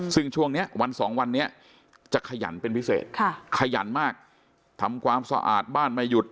ซึ่งช่วงนี้วันสองวันนี้จะขยันเป็นพิเศษขยันมากทำความสะอาดบ้านไม่หยุด